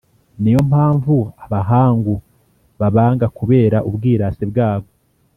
ni yo mpamvu abahangu babanga kubera ubwirasi bwabo